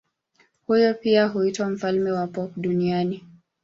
Huyu pia huitwa mfalme wa pop duniani.